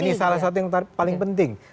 ini salah satu yang paling penting